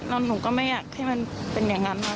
แล้วหนูก็ไม่อยากให้มันเป็นอย่างนั้น